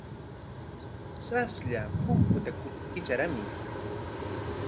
Saslla punkuta kitrarkamuy.